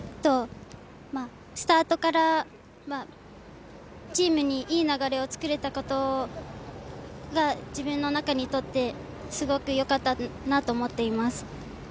スタートからチームにいい流れをつくれたことが自分の中にとって、すごくよかったなと思ってます。